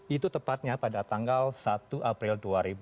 itu tepatnya pada tanggal satu april dua ribu dua puluh